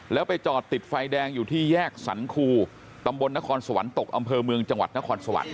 แล้วไปจอดติดไฟแดงอยู่ที่แยกสรรคูตำบลนครสวรรค์ตกอำเภอเมืองจังหวัดนครสวรรค